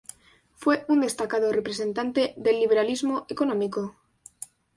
Fue un destacado representante del liberalismo económico.